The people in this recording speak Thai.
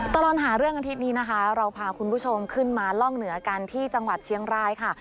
ตลอดหาเรื่องอาทิตย์นี้นะคะเราพาคุณผู้ชมขึ้นมาล่องเหนือกันที่จังหวัดเชียงรายค่ะ